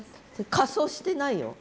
仮装してないよ。